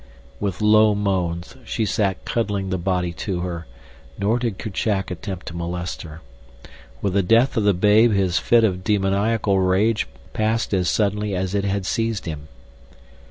With low moans, she sat cuddling the body to her; nor did Kerchak attempt to molest her. With the death of the babe his fit of demoniacal rage passed as suddenly as it had seized him.